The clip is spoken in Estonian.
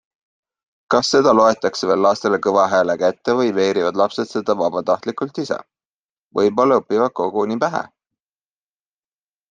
Kas seda loetakse veel lastele kõva häälega ette või veerivad lapsed seda vabatahtlikult ise - võib-olla õpivad koguni pähe?